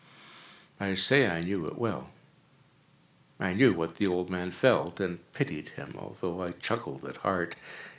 I say I knew it well. I knew what the old man felt, and pitied him, although I chuckled at heart.